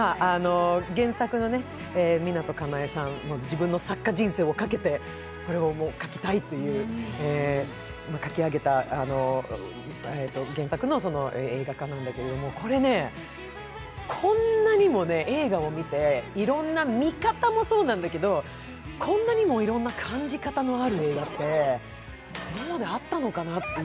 原作の湊かなえさん、自分の作家人生をかけて、これを書きたいっていうことで書き上げた原作の、映画化なんだけど、これね、こんなにも映画を見ていろんな見方もそうなんだけど、こんなにもいろんな感じ方のある映画って今まであったのかなと。